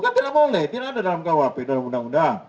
kan tidak boleh tidak ada dalam kawah